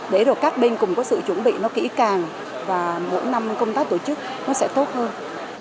để rồi các bên cùng có sự chuẩn bị nó kỹ càng và mỗi năm công tác tổ chức nó sẽ tốt hơn